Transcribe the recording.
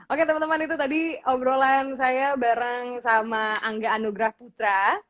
oke teman teman itu tadi obrolan saya bareng sama angga anugrah putra